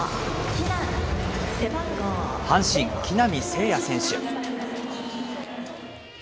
阪神、木浪聖也選手。